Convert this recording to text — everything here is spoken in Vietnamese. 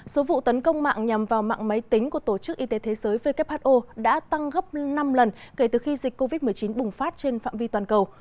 số vụ tấn công mạng nhằm vào mạng máy tính của tổ chức y tế thế giới who đã tăng gấp năm lần kể từ khi dịch covid một mươi chín bùng phát trên phạm vi toàn cầu